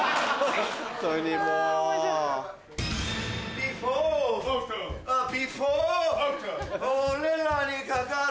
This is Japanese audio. ビフォー。